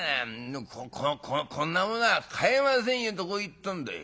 このこの『こんなものは買えませんよ』とこう言ったんだい。